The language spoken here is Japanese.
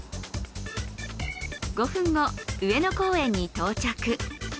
５分後、上野公園に到着。